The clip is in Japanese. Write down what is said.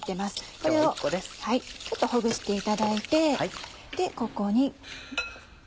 これをほぐしていただいてここに。